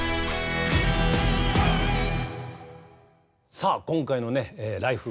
さあ今回のね「ＬＩＦＥ！